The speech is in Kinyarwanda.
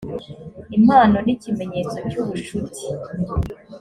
impano nikimenyetso cyubushuti.